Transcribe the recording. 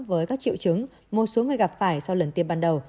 với các triệu chứng một số người gặp phải sau lần tiêm ban đầu